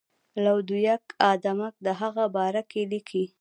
لودویک آدمک د هغه پاره کې لیکي.